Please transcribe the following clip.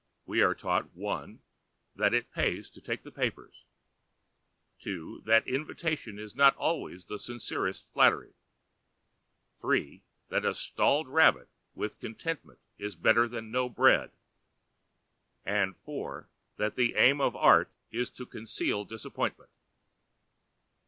We are taught (1) that it Pays to take the Papers; (2) that Invitation is not Always the Sincerest Flattery; (3) that a Stalled Rabbit with Contentment is better than No Bread; and (4) that the Aim of Art is to Conceal Disappointment.